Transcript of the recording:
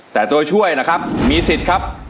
แต่ตัวช่วยนะครับมีสิทธิ์ครับ